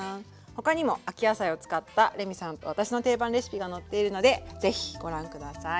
他にも秋野菜を使ったレミさんと私の定番レシピが載っているのでぜひご覧下さい。